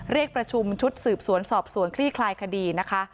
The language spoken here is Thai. เรียกประชุมชุดสืบสวนสอบสวนคลี่คลายคดีนะคะ